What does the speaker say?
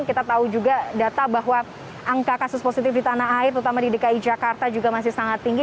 kita tahu juga data bahwa angka kasus positif di tanah air terutama di dki jakarta juga masih sangat tinggi